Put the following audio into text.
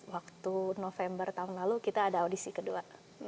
waktu november tahun lalu kita ada audisi kedua